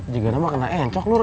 jangan nama kena encok lur